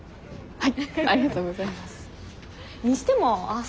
はい。